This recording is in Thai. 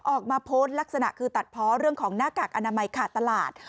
ออกมาโพสต์ลักษณะคือตัดเพาะเรื่องของหน้ากากอนามัยขาดตลาด